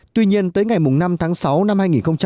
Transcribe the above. tuy nhiên tới ngày năm tháng sáu năm hai nghìn một mươi năm